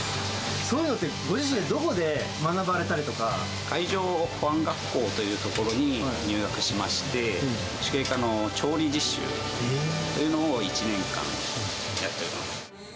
そういうのって、ご自身、海上保安学校という所に入学しまして、主計科の調理実習というのを１年間やっております。